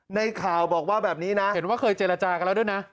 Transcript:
ในข่าวบอกว่าแบบนี้นะเห็นว่าเคยเจรจากันแล้วด้วยนะ